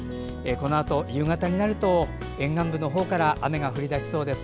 このあと夕方になると沿岸部の方から雨が降り出しそうです。